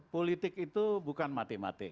politik itu bukan matematik